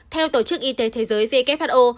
theo tổ chức y tế thế giới who